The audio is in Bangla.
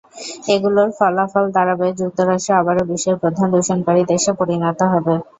এগুলোর ফলাফল দাঁড়াবে যুক্তরাষ্ট্র আবারও বিশ্বের প্রধান দূষণকারী দেশে পরিণত হবে।